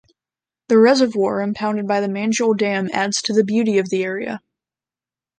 The reservoir impounded by the Manjil Dam adds to the beauty of the area.